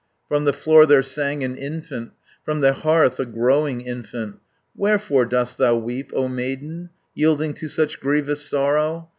From the floor there sang an infant, From the hearth a growing infant. 450 "Wherefore dost thou weep, O maiden, Yielding to such grievous sorrow?